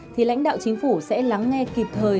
thì lãnh đạo chính phủ sẽ lắng nghe kịp thời